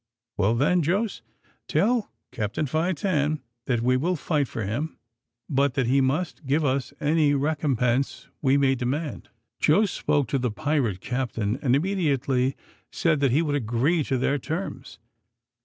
Well, then, Jos, tell Captain Fi Tan that we will fight for him, but that he must give us any recompense we may demand." Jos spoke to the pirate captain, and immediately said that he would agree to their terms.